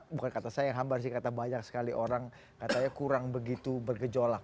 bukan kata saya yang hambar sih kata banyak sekali orang katanya kurang begitu bergejolak